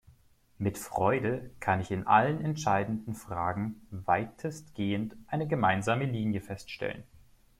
Mit Freude kann ich in allen entscheidenden Fragen weitestgehend eine gemeinsame Linie feststellen.